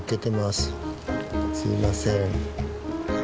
すいません。